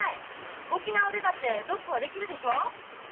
沖縄でだってロックはできるでしょう。